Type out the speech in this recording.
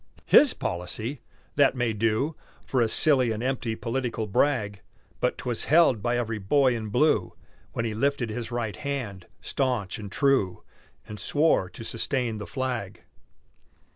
"His policy?" That may do For a silly and empty political brag; But 'twas held by every Boy in Blue When he lifted his right hand, stanch and true, And swore to sustain the flag.